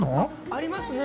ありますね。